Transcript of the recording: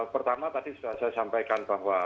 pertama tadi sudah saya sampaikan bahwa